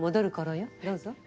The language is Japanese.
どうぞ。